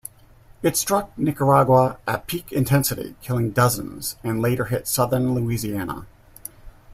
It struck Nicaragua at peak intensity, killing dozens, and later hit southern Louisiana.